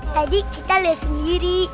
tadi kita lihat sendiri